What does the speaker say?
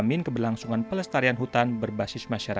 jikai beradat adalah bapak bagi orang iban yang berarti menyediakan segalanya